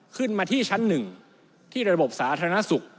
ขึ้นมาที่ชั้น๑ที่ระบบสาธารณสุข